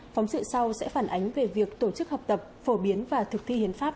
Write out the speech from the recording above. phóng sự sau sẽ phản ánh về việc tổ chức học tập phổ biến và thực thi hiến pháp